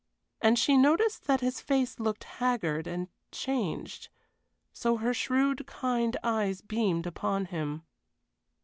And she noticed that his face looked haggard and changed. So her shrewd, kind eyes beamed upon him.